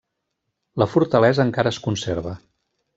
La fortalesa encara es conserva.